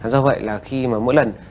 do vậy là khi mà mỗi lần